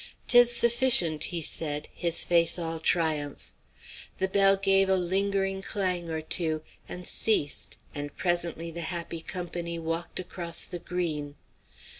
"'Tis sufficient!" he said, his face all triumph. The bell gave a lingering clang or two and ceased, and presently the happy company walked across the green.